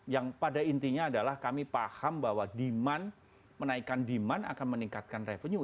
yang pada intinya adalah kami paham bahwa demand menaikkan demand akan meningkatkan revenue